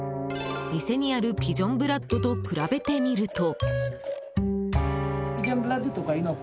店にあるピジョンブラッドと比べてみると。